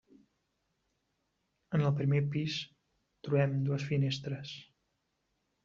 En el primer pis trobem dues finestres.